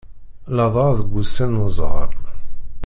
Ladɣa deg wussan n uzɣal.